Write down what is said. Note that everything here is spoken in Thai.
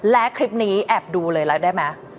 และคลิปนี้แอบดูเลยแล้วได้ไหม